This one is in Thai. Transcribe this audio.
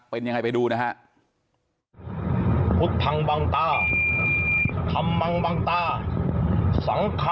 เป็นยังไงไปดูนะฮะ